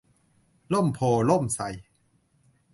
ร่มโพธิ์ร่มไทร